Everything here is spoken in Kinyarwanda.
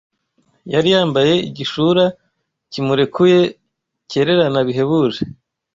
Yari yambaye igishura kimurekuye cyererana bihebuje